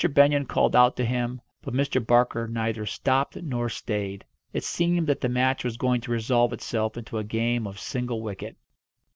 Benyon called out to him, but Mr. Barker neither stopped nor stayed. It seemed that the match was going to resolve itself into a game of single wicket.